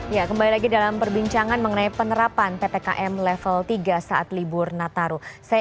ya kembali lagi dalam perbincangan mengenai penerapan ppkm level tiga saat libur nataru